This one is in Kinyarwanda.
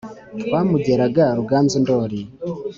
twamugeraga ruganzu ndori